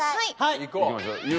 いきましょう。